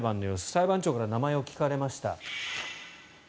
裁判長から名前を聞かれました。